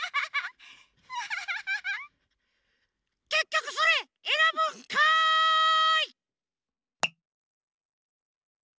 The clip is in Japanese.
けっきょくそれえらぶんかい！